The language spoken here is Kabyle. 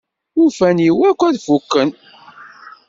Urfan-iw akk fukken.